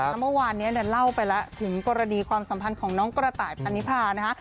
แล้วเมื่อวานนี้เล่าไปแล้วถึงกรณีความสัมพันธ์ของน้องกระต่ายพันนิพานะคะ